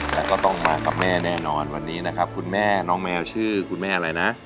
แล้วก็ต้องมากับแม่แน่นอนวันนี้นะครับคุณแม่น้องแมวชื่อคุณแม่อะไรนะ